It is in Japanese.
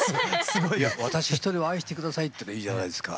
「私一人を愛してください」っていいじゃないですか。